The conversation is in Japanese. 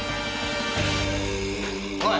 おい。